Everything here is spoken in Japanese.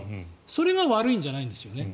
それが悪いんじゃないんですよね。